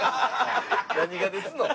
何がですのん？